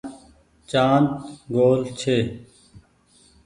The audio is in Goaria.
چآند گول ڇي ۔